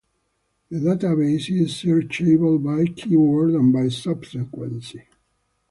The database is searchable by keyword and by subsequence.